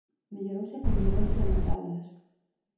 Mellorouse a convivencia nas aulas.